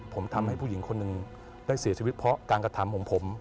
ผมทำให้ผู้หญิงคนหนึ่งได้เสียชีวิตเพราะการกระทำของผม